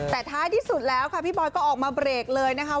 แต่ท้ายที่สุดแล้วค่ะพี่บอยก็ออกมาเบรกเลยนะคะ